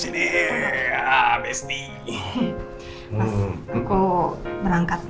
mas aku berangkat